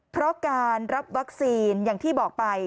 เพราะการรับวัคซีนอย่างที่บอกไป